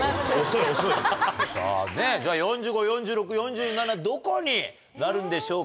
４５４６４７どこになるんでしょうか。